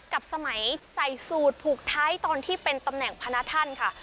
กับสมัยใส่สูตรผูกท้ายตอนที่เป็นตำแหน่งพนักท่านค่ะ